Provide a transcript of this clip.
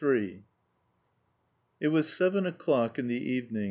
III It was seven o'clock in the evening.